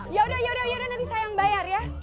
yaudah yaudah nanti saya yang bayar ya